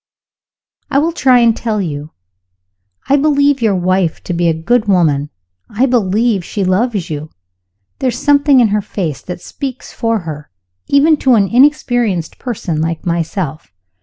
"I will try and tell you. I believe your wife to be a good woman. I believe she loves you. There is something in her face that speaks for her even to an inexperienced person like myself.